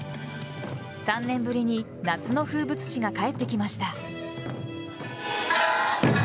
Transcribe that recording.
３年ぶりに夏の風物詩が帰ってきました。